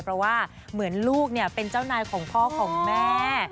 เพราะว่าเหมือนลูกเป็นเจ้านายของพ่อของแม่